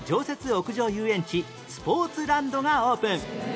屋上遊園地スポーツランドがオープン